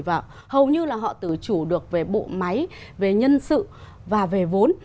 và hầu như là họ tự chủ được về bộ máy về nhân sự và về vốn